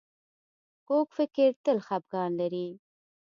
کوږ فکر تل خپګان لري